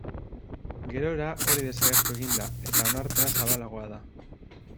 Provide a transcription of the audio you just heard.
Gerora hori desagertu egin da eta onarpena zabalagoa da.